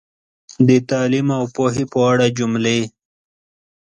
د تعلیم او پوهې په اړه جملې